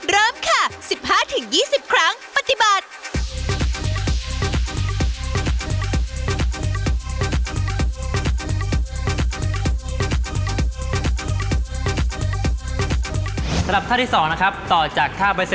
เริ่มค่ะ๑๕๒๐ครั้งปฏิบัติ